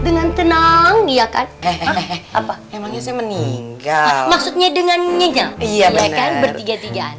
dengan tenang iya kan apa emangnya royal maksudnya dengan iyalah ya kan bertiga tiga an